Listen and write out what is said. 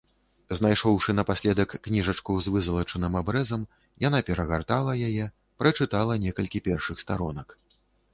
Знайшоўшы напаследак кніжачку з вызалачаным абрэзам, яна перагартала яе, прачытала некалькі першых старонак.